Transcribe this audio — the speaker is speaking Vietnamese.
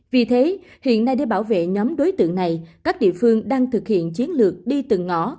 vì thế hiện nay để bảo vệ nhóm đối tượng này các địa phương đang thực hiện chiến lược đi từng ngõ